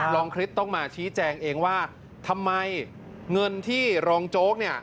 คริสต้องมาชี้แจงเองว่าทำไมเงินที่รองโจ๊กเนี่ย